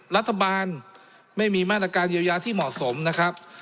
รัฐบาลไม่มีมาตรการเยียวยาที่เหมาะสมนะครับ